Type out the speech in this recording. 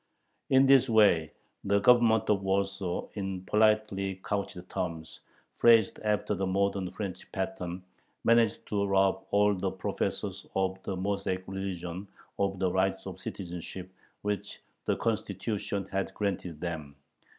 In this way the Government of Warsaw in politely couched terms, phrased after the modern French pattern, managed to rob all the "professors of the Mosaic religion" of the rights of citizenship which the Constitution had granted them.